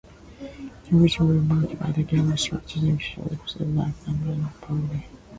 The routes were marked by a yellow rectangular shield with black numbers and border.